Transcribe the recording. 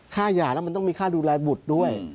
หย่าแล้วมันต้องมีค่าดูแลบุตรด้วย